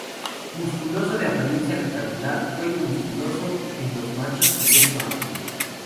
Musculoso, de apariencia rectangular, cuello musculoso en los machos y pecho amplio.